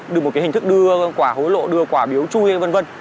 được một cái hình thức đưa quả hối lộ đưa quả biếu chui vân vân